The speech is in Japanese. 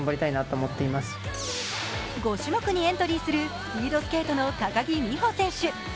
５種目にエントリーするスピードスケートの高木美帆選手。